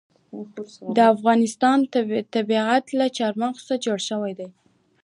د افغانستان طبیعت له چار مغز څخه جوړ شوی دی.